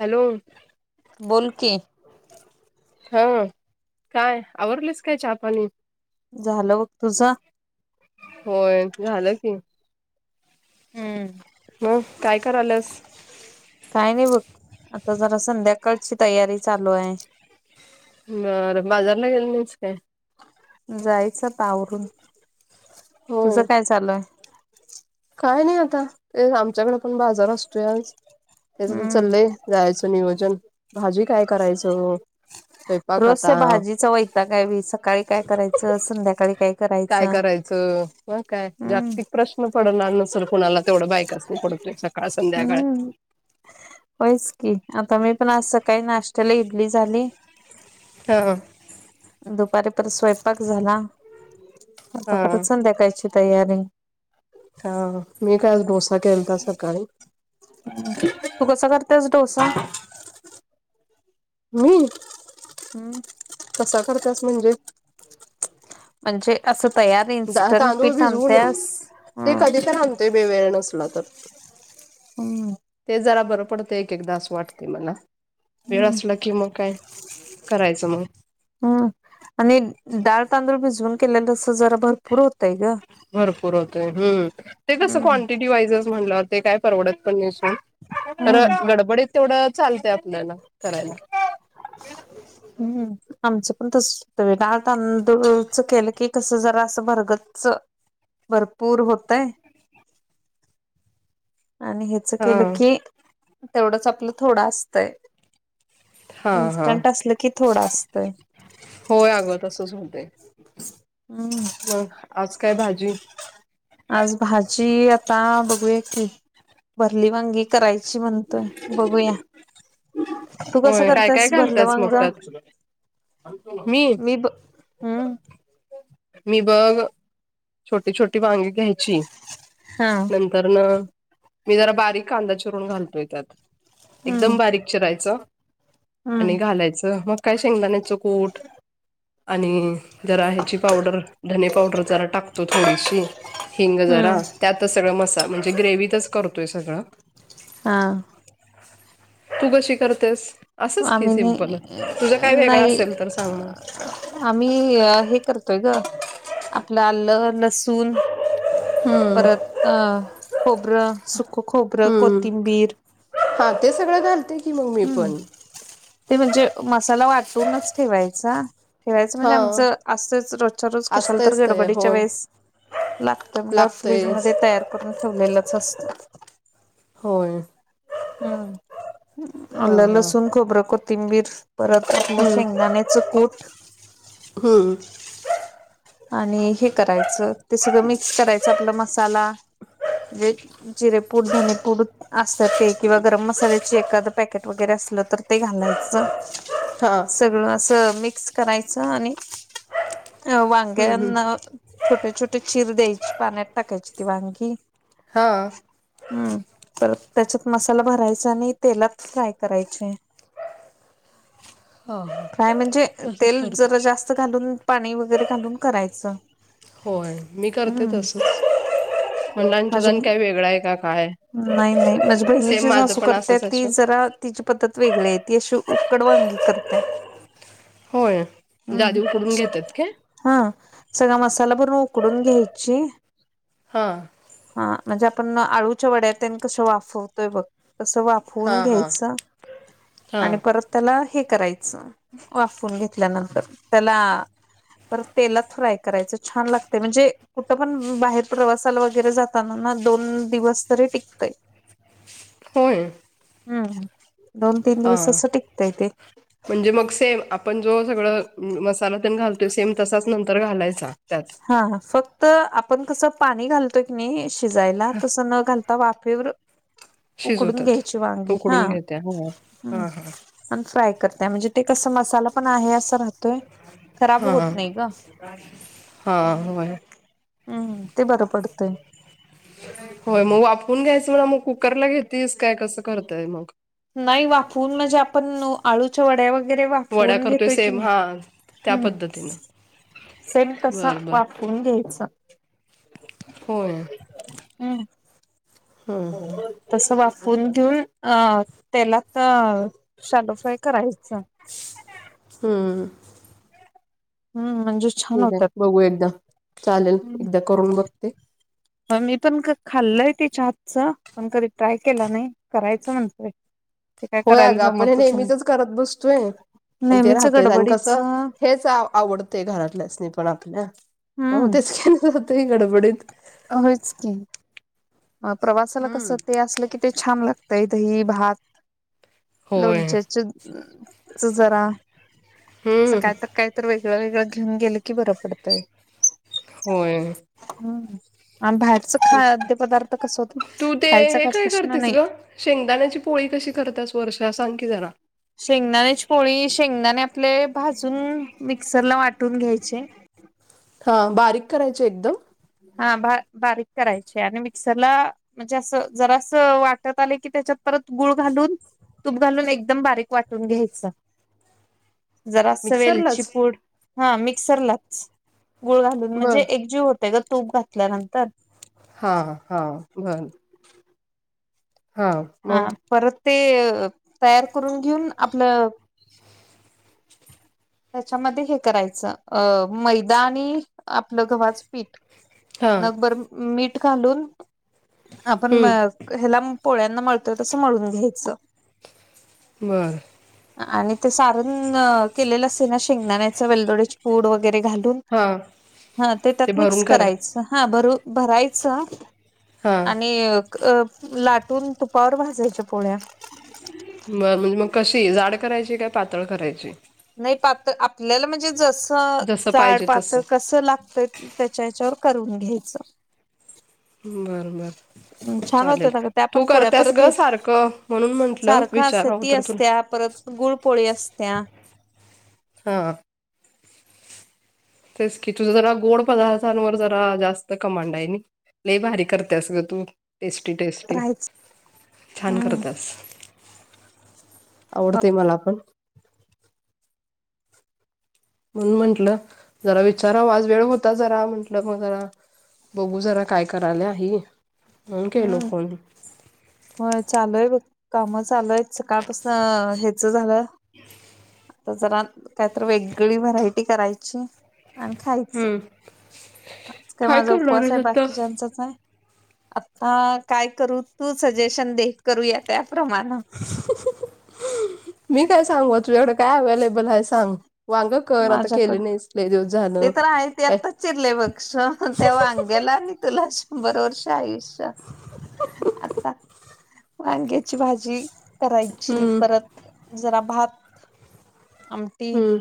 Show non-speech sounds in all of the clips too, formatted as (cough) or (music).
Hello. बोल की हां काय आवरलेस काय चहा पाणी? झालं बघ तुझा होय झालं की. हम्म. मग काय करायलायास? काय नाय बघ आता जरा संध्याकाळची तयारी चालू आहे. बरं बाजारला गेली नाहीस काय? जायचं आता आवरून तुझं होय काय चालू आहे? काय नाय आता ते आमच्याकडे पण बाजार असतोय आज त्याच्यातच हम्म चालले. जायचं नियोजन भाजी काय करायचं हो? रोजच्या भाजीचा वैताग आहे बई सकाळी काय करायचं संध्याकाळी काय काय करायचं करायचं मग काय हम्म जागतिक प्रश्न पडणार नसेल कुणाला तेवढा बायकासनी पड ते सकाळ संध्याकाळ आहे. होईच की आता मी पण आज सकाळी नाष्टायला इडली झाली. ता दुपारी परत स्वयंपाक झाला आता हा परत संध्याकाळची तयारी. का मी काय डोसा केलता सकाळी. (inaudible) तू कसा करतेस डोसा? मी हम्म. कसा करतेस म्हणजे? म्हणजे असं तयार दा इन्स्टंट तांदूळ पीठ भिजवून आणत्यास हां. ते बी वेळ नसला तर. (unintelligible) ते जरा बरं पडतंय एक-एकदा असं वाटतंय मला. वेळ हम्म असला की मग काय करायचं मग. हम्म आणि डाळ, तांदूळ भिजवून केल्याले असं जरा भरपूर होतंय गं. भरपूर होतंय हम्म ते कसं क्वांटिटी वाईज म्हटल्यावर ते काय परवडत पण नाही सो. तर हम्म गडबडीत तेवढं चालतंय आपल्याला करायला. हम्म. आमचं पण तसं होतंय वय डाळ तांदूळचा केलं की कसं जरा असं भरगच्च भरपूर होतय आणि हे तसं केलं हा की तेवढेच आपलं थोडा असतय. हा हा इन्स्टंट असलं की थोडास होय अगं तसंच होतंय हम्म मग आज काय भाजी? आज भाजी आता बघूया की. भरली वांगी करायची म्हणतोय बघूया. ह (unintelligible) तू कसं होय काय काय करतेस भरलं घालत्यास वांग मग त्यात मी? हम्म मी बघ छोटी छोटी वांगी घ्यायची. हा. नंतर न मी जरा बारीक कांदा चिरून घालतोय त्यात. हम्म एकदम बारीक चिरायचं हम्म आणि घालायचं मग काय शेंगदाणे च कुट आणि जरा ह्याची पावडर धने पावडर जरा टा तो थोडीशी हिंग हम्म जरा त्यातच सगळ मसा म्हणजे ग्रेवतच करतोय सगळं. हां. तू कशी करतेस? असंच की आम्ही सिम्पल तुझा नाही काय वेगळां नाही असेल तर सांग मग. आम्ही अ हे करतोय गं आपलं आलं लसून हम्म. परत खोबरं सुख खोबरं कोथिंबीर हां ते सगळं घालतोय हम्म ते म्हणजे मसाला वाटूनच ठेवायचा. ठेवायचं म्हणजे हा आमचं असंच रोजच्या रोज कशाल तर असतयच ते गडबडीच्या होय वेळेस लागत म्हणल्यावर लागतयच फ्रीजमध्ये तयार करून ठेवलेलंच असत. होय. हा आलं, हा लसूण, खोबरं, कोथिंबीर परत आपलं हम्म शेंगदाण्याचं कूट हम्म. आणि हे करायचं ते सगळं मिक्स करायचं आपलं मसाला म्हणजे जिरेपूड धनेपूड असत ते किंवा गरम मसाल्याचे एखादं पॅकेट वगैरे असलं तर ते घालायचं. हा सगळं असं मिक्स करायचं आणि अ वा देन छोटे छोटे चिर द्यायची पाण्यात टाकायची ती वांगी. हां. हम्म तर त्याच्यात मसाला भरायचा आणि तेलात फ्राय करायचे. (unintelligible) काय म्हणजे तसंच तेल करते. जरा जास्त घालून पाणी वगैरे घालून करायचं होय मी करते हम्म तसं म्हणलं आणि तुझं आणि माझे काय वेगळां आहे का काय? नाही नाही माझ्या सेम बहिणीची माझं सासू पण असंच करत्यात आहे ती सोड जरा तिची पद्धत वेगळी आहे ती अशी उकड वांगी करत्या. होय. म्हणजे आधी उकडून घेत्यात काय? हां सगळा मसाला भरून उकडून घ्यायची हां. हां म्हणजे आपण अळूच्या वड्या तेन कसं वाफवतोय बघ तसं वा हा फून हा घ्यायच हा आणि परत त्याला हे करायचं वाफवून घेतल्यानंतर त्याला परत तेलात फ्राय करायचं छान लागतंय म्हणजे कुठं पण बाहेर प्रवासाला वगैरे जा तानान दोन दिवस तरी टिकतय. होय. हम्म दोन तीन हा दिवस असं टिकतंय ते. म्हणजे मग सेम आपण जो सगळं अम्म मसाला तेन घालतोय सेम तसाच नंतर घालायचा त्याच हां हां. फक्त आपण कसं पाणी घालतोय की नाही शिजायला तसं न घाल आता वाफेवर उकडून शिजवतात घ्यायची वांगी, हा उकडून घेत्या हो हम्म. हा हा आमचं ऐकत नाही म्हणजे ते कस मसाला पण आहे असं राहतोय, खराब हा होत नाही ग हा होय हम्म ते बरं पडतंय. होय मग वापवून घ्यायचं मला मग कुकरला घेतीस काय कसं करताय मग? नाही वाफवून म्हणजे आपण आळूच्या वड्या वगैरे वड्या वाफवून करतोय घेतोय की सेम नाही, हा त्या हम्म. पद्धतीनं सेम तस बर बर वाफवून घ्यायच. होय. हम्म हम्म (unintelligible) तस वाफून घेऊन अ त्याला शालो फ्राय करायच हम्म हम्म हम्म. हम्म म्हणजेश ठीक आहे बघू एकदा चालेल एकदा करून बघते. ह मी पण खाल्लय तिच्या हातचं पण कधी ट्राय केला नाही, करायचं म्हणतय होय ग आपण हे नेहमीचच करत बसतोय. आणि ते नेहमीच राहतय आणि गडबडीच कसं हेच आवडतय घरातल्याच नाही पण आपल्या. ह हम्म तेच घॅनसातय गडबडीत. होयच की. अ प्रवासाला हम्म कसं, ते असलं की ते छान लागतंय दही भात. होय लोणच्या च जरा, असं हम्म काय तर काहीतर वेगळं वेगळं घेऊन गेल की बरं पडतंय. होय. हम्म आणि बाहेरचं तेच की खाद्यपदार्थ कस होत तू ते खायचा हे काय प्रश्न करतेस नाही ग? शेंगदाण्याची पोळी कशी करतीयास वर्षा सांग की जरा. शेंगदाणेच पळी शेंगदाने आपले भाजून मिक्सर ला वाटून घ्यायचे. हा बारीक करायचे एकदम. हा बा-बारीक करायचे आणि मिक्सरला म्हणजे असं जरा असं वाटत आले की त्याच्यात परत गुळ घालून. तूप घालून एकदम बारीक वाटून घ्यायचं. (inaudible) जरास वेलची मिक्सरलाच पूड हा मिक्सरलाच. गुळ घालून म्हणजे बर एकजीव होते ग तूप घातल्यानंतर. हा हा हा हा, बर. हा हा मग परत ते तयार करून घेऊन आपलं. त्याच्यामध्ये हे करायचं, अ मैदा आणि आपलं गव्हाचं पीठ. हा नगभर मीठ घालून आपण हम्म ह्याला पोळ्यांना मळतं तसं म्हणून घ्यायचं. बरं. आणि ते सारण केलेलं असते ना शेंगदाण्याचं वेलदोडची पूड वगैरे घालून. हा हा ते त्यात भरून मिक्स करा कराय हा भरू भरायचं हा आणि अ लाटून तुपावर भाजायच्या पोळ्या. म म्हणजे मग कशी जाड करायची काय पातळ करायची. नाही पातळ, आपल्याला म्हणजे जस जसं जाड पाहिजे पातळ तसं कसं लाग ते त्याच्या याच्यावर करून घ्यायचं. बरं बर. अं, छान होते चालेल ना त्या तू पण पोळ्या करत्यास परत गं हे सारखं म्हणून म्हंटलं सारखं असते विचारावं ती तर तुला. असत्या परत गुळपोळी असत्या. हा. तेच की तुझ जरा गोड पदार्थांवर जरा जास्त कमांड आहे नी. लयभारी कर त्यास ग तू टेस्टी टेस्टी, राहायच छान कर हम्म त्यास. आवडतंय मला पण म्हणून म्हंटलं जरा विचारावा आज वेळ होता जरा म्हंटलं मग जरा बघू जरा काय करायला हि म्हणून केलो फोन. हो चालूय बाई काम चालूय सकाळपासून हेचा झालं. तर जरा काहीतर वेगळी व्हरायटी करायची. आणि खायचं. हम्म आज काय माझा करणार उपवास आहेस हाय, आता? बाकीच्याचाच हाय. आता काय करू? तू सजेशन दे, करूया त्याप्रमाणं. मी काय सांगू तुझ्याकडं काय अवलेबल आहे सांग. वांग कर आता केली माझ्याकड नाहीस लय दिवस ते झालं. तर आहे ते काय आताच चिरले बक्ष ते वांग्याला आणि तेलाचं (unintelligible) आयुष्य, आता वांग्याची भाजी. करायची हम्म परत जरा भात आम हम्म.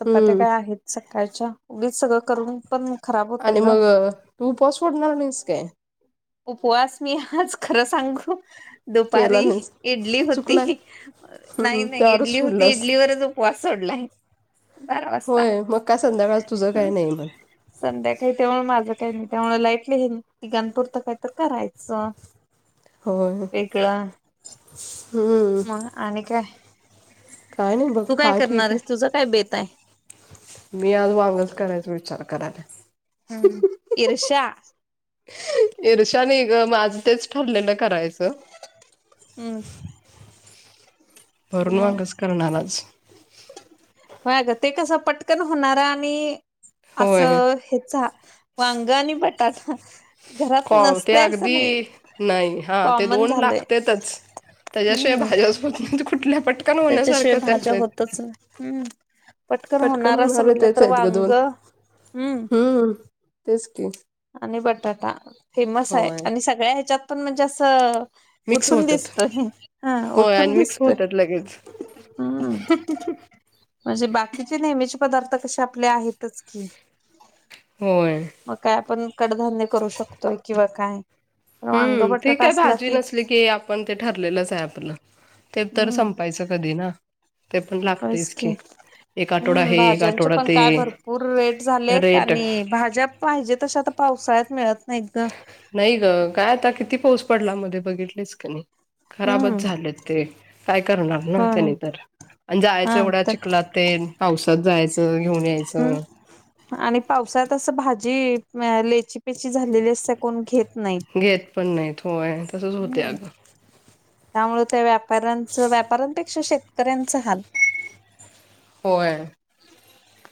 चपात्या हम्म काय आहेत सकाळच्या उगीच सगळं करून पण खराब होतय आणि ग मग तू उपवास सोडणार नाहीस काय? उपवास मी आज खरं सांगू केला दुपारी नाहीस इडली चुकलाय हुती, नाही हम्म नाही त्यावरच इडली हुती सोडलास. इडलीवरच उपवास सोडला आहे. होय, मग काय संध्याकाळी तुझं काय हम्म. नाही मग. संध्याकाळी त्यामुळ माझं काही नाही, त्यामुळे लाईटली ह तिघांपूर् आता काहीतर करायचं. होय हम्म. वेगळं. मग आणि काय काय नाही बघ तू काय हाय करणार ठीक आहेस आहे. तुझं काय बेत आहे? मी आज वांगच करायचं विचार करायला. हम्म इर्षा. इर्षा नई ग माझं तेच ठरलेलं करायचं. हम्म. भरुण हम्म. वागचं करणा म आज. व्हय गं ते कसं पटकन होणार आणि होय असं हेचा वांग आणि बटाटा. घरात कॉल ते नसतंय असं अगदी नाही नाही हा ते कॉमन दोन झालंय. लागतेतच. त्याच्याशिवाय हम्म भाज्याच होत नाही कुठल्या पट त्याच्याशिवाय भाज्या होतच नाय हम्म. पटकन होणार असं होणारे म्हटलं तेच तर आहेत ग दोन वांगं. हम्म तेच की. आणि बटाटा फेमस आहे होय आणि सगळ्या ह्याच्यात पण म्हणजे असं मिक्स उठून होतात दिसतं हा होय उठून आणि मिक्स दिसतं. होतात लगेच (inaudible) म्हणजे बाकीचे नेहमीचे पदार्थ कसे आपले आहेतच की. होय. मग काय पण कडधान्य करू शकतोय किंवा काय वांग बटाटा असला की पण ते ठरलेलंच आहे आपलं ते तर हम्म संपायचं कधी ना. ते पण लागतयच की. एक आठवडा हम्म हे एक भाज्यांचे आठवडा पण ते काय भरपूर रेट झालेत रेट आणि भाज्या पाहिजे तशी आता पावसाळ्यात मिळत नाहीत ग. नाही गं काय आता किती पाऊस पडला मध्ये बघितलीस क नाही? खराबच हम्म झालेत ते काय करणार ना होय त्यानी तर. आणि जायचं हा एवढ्या तर चिकलात तेन पावसात जायचं घेऊन हम्म यायचं. आणि पावसात असं भाजी, लेची पेची झालेली असत कोण घेत नाही. घेतपण नाहीत होय, तसंच होते हम्म अगं. त्यामुळे त्या व्यापाऱ्यांचा व्यापऱ्यांपेक्षा शेतकऱ्यांच हाल. होय.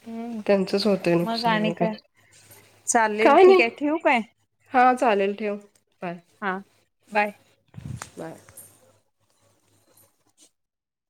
हम्म त्यांचंच होतय नुकसान आणि काय, चालेल काय ठीक नाही. आहे ठेवू काय हां चालेल ठेव बाय. हा बाय. बाय.